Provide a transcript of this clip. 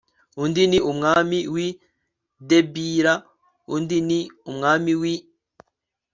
undi ni umwami w i debira undi ni umwami w i